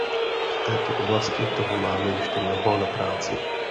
V této oblasti toho máme ještě mnoho na práci.